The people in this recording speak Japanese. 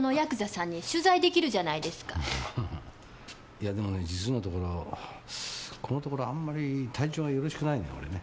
いやでも実のところこのところあんまり体調がよろしくないのよ俺ね。